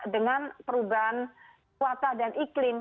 dengan perubahan kuasa dan iklim